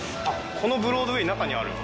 このブロードウェイの中にある？